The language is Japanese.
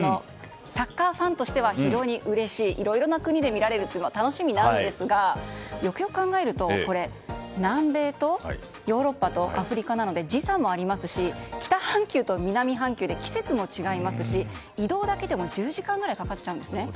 サッカーファンとしては非常にうれしいいろいろな国で見られるのは楽しみなんですがよくよく考えるとこれ南米とヨーロッパとアフリカなので時差もありますし北半球と南半球で季節も違いますし移動だけでも１０時間くらいかかっちゃうんですね。